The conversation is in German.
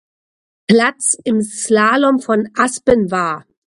Platz im Slalom von Aspen war.